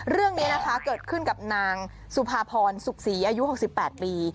เรื่องนี้นะคะเกิดขึ้นกับนางสุภาพรสุขศรีอายุ๖๘ปี